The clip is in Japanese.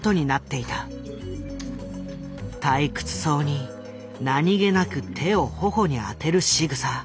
退屈そうに何気なく手を頬に当てるしぐさ。